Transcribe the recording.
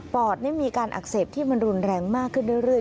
อดนี่มีการอักเสบที่มันรุนแรงมากขึ้นเรื่อย